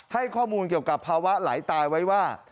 ให้ข้อมูลเกี่ยวกับภาวะไหลตายไว้ว่า